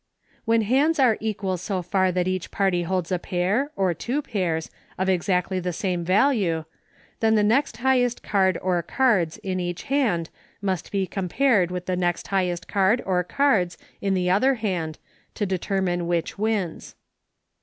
When hands are equal so far that each party holds a pair, or two pairs, of exactly the same value, then the next highest card or cards in each hand, must be compared with the next highest card or cards in the other hand, to determine which wins.